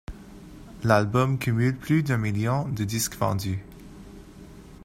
L'album cumule plus d'un million de disques vendus.